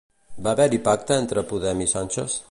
Va haver-hi pacte entre Podem i Sánchez?